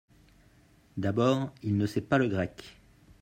D’abord… il ne sait pas le grec…